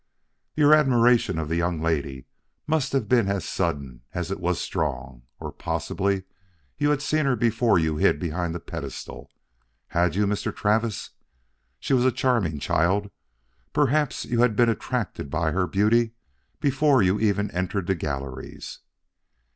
"Your admiration of the young lady must have been as sudden as it was strong. Or possibly you had seen her before you hid behind the pedestal. Had you, Mr. Travis? She was a charming child; perhaps you had been attracted by her beauty before you even entered the galleries."